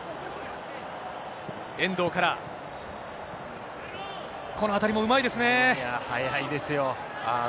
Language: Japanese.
遠藤からこのあたりもうまいですね。